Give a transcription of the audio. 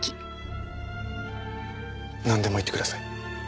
なんでも言ってください。